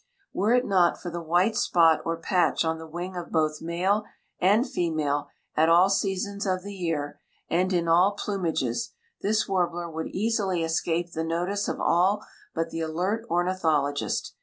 Were it not for the white spot or patch on the wing of both male and female at all seasons of the year and in all plumages, this warbler would easily escape the notice of all but the alert ornithologist.